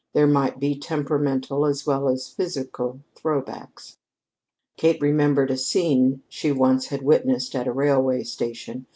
There might be temperamental as well as physical "throwbacks." Kate remembered a scene she once had witnessed at a railway station.